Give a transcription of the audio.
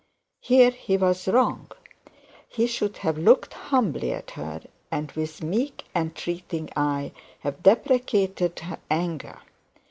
Here he was wrong. He should have looked humbly at her, and with meek entreating eye had deprecated her anger.